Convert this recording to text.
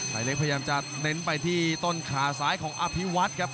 เล็กพยายามจะเน้นไปที่ต้นขาซ้ายของอภิวัฒน์ครับ